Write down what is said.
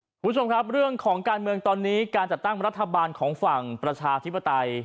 คุณผู้ชมครับเรื่องของการเมืองตอนนี้การจัดตั้งรัฐบาลของฝั่งประชาธิปไตย